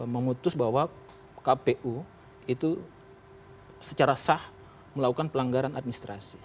memutus bahwa kpu itu secara sah melakukan pelanggaran administrasi